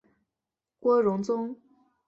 郭荣宗。